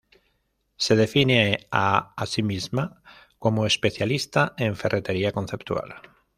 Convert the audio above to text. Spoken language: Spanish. Se define a así misma como "Especialista en ferretería conceptual".